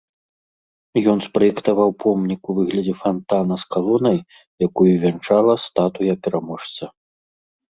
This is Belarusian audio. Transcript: Ён спраектаваў помнік у выглядзе фантана з калонай, якую вянчала статуя пераможца.